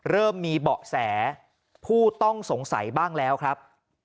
เริ่มมีเบาะแสผู้ต้องสงสัยบ้างแล้วครับ